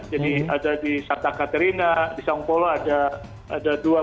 jadi ada di santa caterina di saung polo ada dua restoran